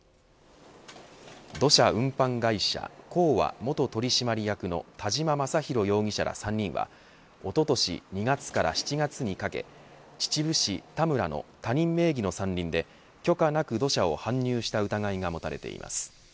土砂運搬会社、興和、元取締役の田嶋晶浩容疑者ら３人はおととし２月から７月にかけ秩父市田村の他人名義の山林で許可なく土砂を搬入した疑いが持たれています。